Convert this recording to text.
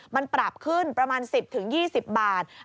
มันปรับขึ้นประมาณ๑๐๒๐บาท